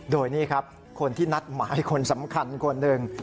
โดยนี่ครับคนที่นัดหมายคนสำคัญคนหนึ่ง